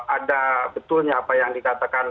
ada betulnya apa yang dikatakan